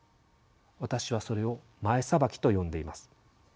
私はそれを「前さばき」と呼んでいます。